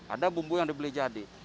ada bumbu yang dibeli jadi